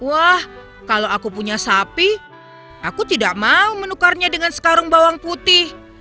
wah kalau aku punya sapi aku tidak mau menukarnya dengan sekarung bawang putih